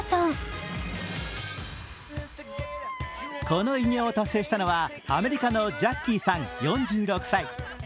この偉業を達成したのはアメリカのジャッキーさん４６歳。